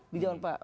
di jalan pak